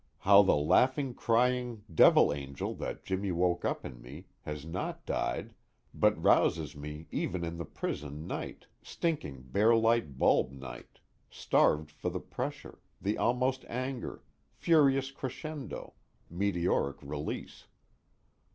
how the laughing crying devil angel that Jimmy woke up in me has not died, but rouses me even in the prison night, stinking bare light bulb night, starved for the pressure, the almost anger, furious crescendo, meteoric release.